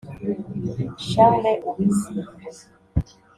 Charles Uwizihiwe